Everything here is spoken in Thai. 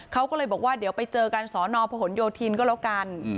เขาก็เลยบอกว่าเดี๋ยวไปเจอกันสอนอพหนโยธินก็แล้วกัน